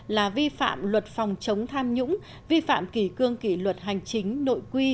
là vi phạm luật phòng chống tham nhũng vi phạm kỳ cương kỷ luật hành chính nội quy